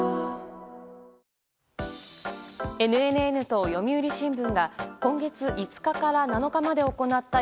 ＮＮＮと読売新聞が今月５日から７日まで行った